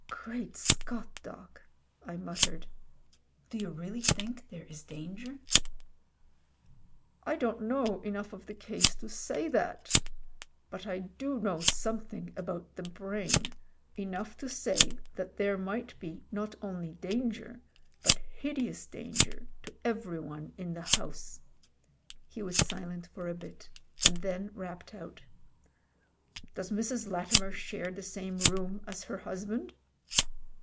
"Great Scott! Doc," I muttered. "Do you really think there is danger ?" "I don't know enough of the case to say that. But I do know something about the brain, enough to say that there might be not only danger, but hideous dan ger, to everyone in the house." He was silent for a bit and then rapped out. "Does Mrs. Latimer share the same room as her husband?"